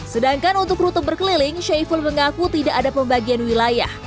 sedangkan untuk rute berkeliling syaiful mengaku tidak ada pembagian wilayah